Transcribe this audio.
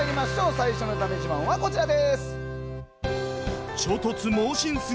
最初のだめ自慢はこちらです。